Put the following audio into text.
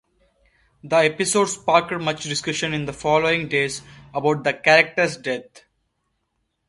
The episode sparked much discussion in the following days about the character's death.